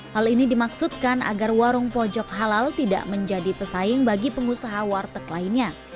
hal ini dimaksudkan agar warung pojok halal tidak menjadi pesaing bagi pengusaha warteg lainnya